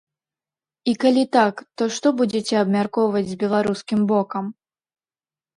І калі так, то што будзеце абмяркоўваць з беларускім бокам?